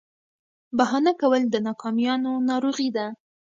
بهانه کول د ناکامیانو ناروغي ده.